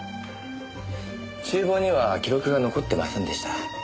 厨房には記録が残ってませんでした。